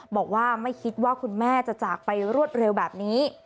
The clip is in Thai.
บอกว่าไม่คิดว่าคุณแม่จะจากไปรวดเร็วแบบนี้